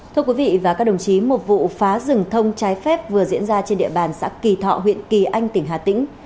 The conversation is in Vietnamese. thưa quý vị và các đồng chí một vụ phá rừng thông trái phép vừa diễn ra trên địa bàn xã kỳ thọ huyện kỳ anh tỉnh hà tĩnh